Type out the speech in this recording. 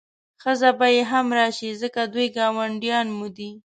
ښځه به یې هم راشي ځکه دوی ګاونډیان مو دي.